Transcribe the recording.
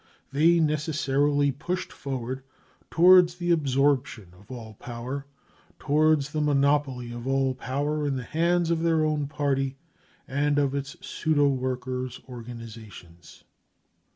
They necessarily pushed forward to wards the absorption of all power, towards the monopoly of all power in the hands of their own party and of its pseudo workers 9 organisations.